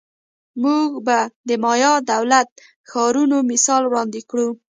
موږ به د مایا دولت ښارونو مثال وړاندې کړو